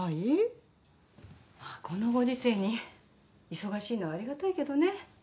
まあこのご時世に忙しいのはありがたいけどね。